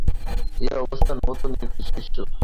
এই অবস্থায় নতুন একটি শিশু।